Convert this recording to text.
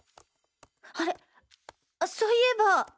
あれそういえば。